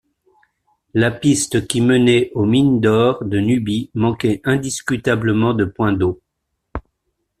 La piste qui menait aux mines d'or de Nubie manquait indiscutablement de points d'eau.